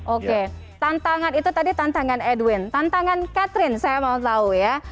oke tantangan itu tadi tantangan edwin tantangan catherine saya mau tahu ya